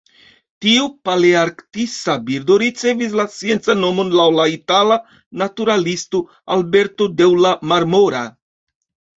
Tiu palearktisa birdo ricevis la sciencan nomon laŭ la itala naturalisto Alberto della Marmora.